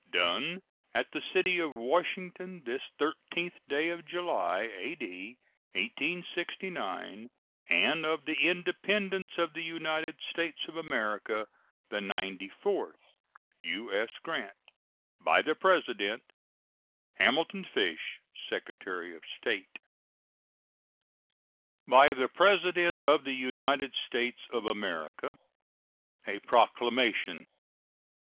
[SEAL.] Done at the city of Washington, this 13th day of July, A.D. 1869, and of the Independence of the United States of America the ninety fourth. U.S. GRANT. By the President: HAMILTON FISH, Secretary of State. BY THE PRESIDENT OF THE UNITED STATES OF AMERICA. A PROCLAMATION.